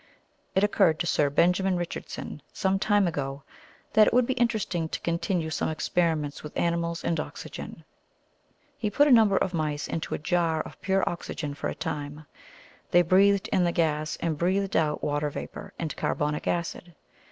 It occurred to Sir Benjamin Richardson, some time ago, that it would be interesting to continue some experiments with animals and oxygen. He put a number of mice into a jar of pure oxygen for a time; they breathed in the gas, and breathed out water vapour and carbonic acid.